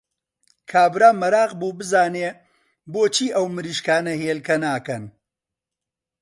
کابرا مەراق بوو بزانێ بۆچی ئەو مریشکانە هێلکە ناکەن!